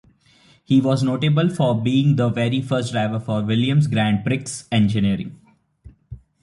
He was notable for being the very first driver for Williams Grand Prix Engineering.